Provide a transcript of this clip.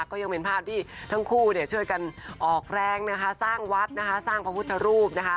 ก็ยังเป็นภาพที่ทั้งคู่ช่วยกันออกแรงสร้างวัดสร้างพระพุทธรูป